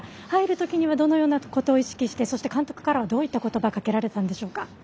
入るときにはどのようなことを意識してそして、監督からはどういった言葉をかけられたんでしょうか？